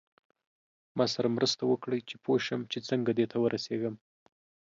ما سره مرسته وکړئ چې پوه شم چې څنګه دې ته ورسیږم.